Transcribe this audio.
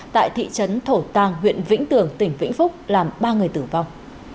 tại thị trấn thổ tàng huyện vĩnh tường tỉnh vĩnh phúc làm ba người tử vong